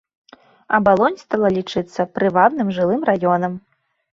Абалонь стала лічыцца прывабным жылым раёнам.